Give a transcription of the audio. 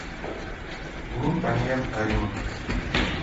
Минең фамилиям Ғәлимов.